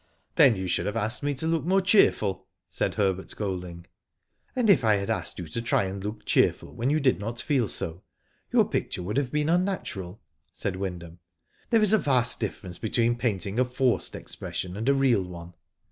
Then you should have asked me to look more cheerful," said Herbert Golding. *' And if I had asked you to try and look cheerful when you did not feel so, your picture would have been unnatural," said Wyndham. •* There is a vast difference between painting a forced, expression and a real one.